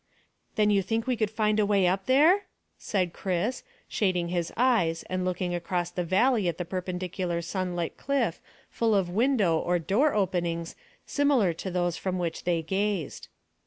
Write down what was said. "Then you think we could find a way up there?" said Chris, shading his eyes and looking across the valley at the perpendicular sunlit cliff full of window or door openings similar to those from which they gazed.